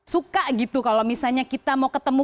suka gitu kalau misalnya kita mau ketemu